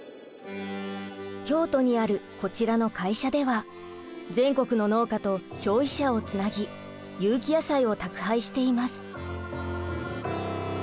京都にあるこちらの会社では全国の農家と消費者をつなぎ有機野菜を宅配しています。